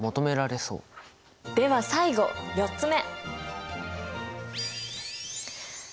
では最後４つ目。